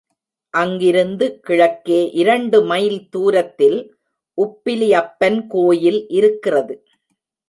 அங்கிருந்து கிழக்கே இரண்டு மைல் தூரத்தில் உப்பிலி அப்பன் கோயில் இருக்கிறது.